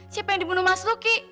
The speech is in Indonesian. siapa yang dibunuh mas luki